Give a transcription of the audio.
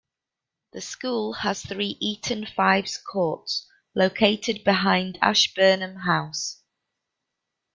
The school has three Eton Fives courts, located behind Ashburnham House.